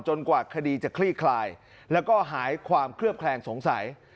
กว่าคดีจะคลี่คลายแล้วก็หายความเคลือบแคลงสงสัย